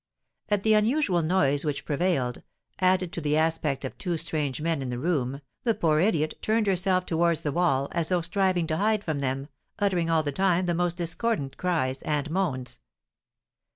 At the unusual noise which prevailed, added to the aspect of two strange men in the room, the poor idiot turned herself towards the wall, as though striving to hide from them, uttering all the time the most discordant cries and moans.